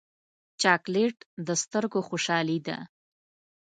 چاکلېټ د سترګو خوشحالي ده.